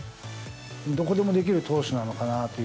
どこでもできる投手なのかなと。